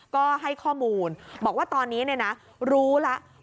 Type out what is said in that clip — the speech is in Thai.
ก็ให้ข้อมูลบอกว่าตอนนี้รู้แล้ว